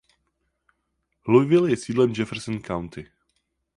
Louisville je sídlem Jefferson County.